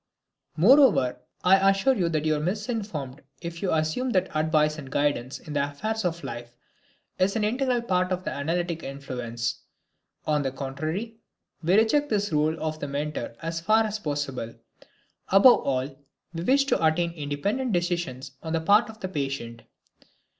Moreover, I assure you that you are misinformed if you assume that advice and guidance in the affairs of life is an integral part of the analytic influence. On the contrary, we reject this role of the mentor as far as possible. Above all, we wish to attain independent decisions on the part of the patient.